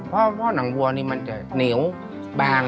เพราะหนังวัวนี่มันแตกนิ้วแบง